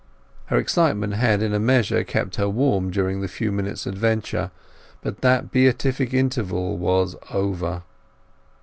Her excitement had in a measure kept her warm during the few minutes' adventure; but that beatific interval was over.